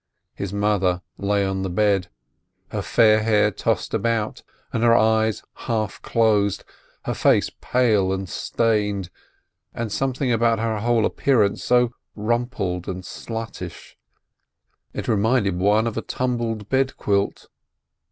His mother lay on the bed, her fair hair tossed about, and her eyes half closed, her face pale and stained, and something about her whole appearance so rumpled and sluttish — it reminded one of a tumbled bedquilt.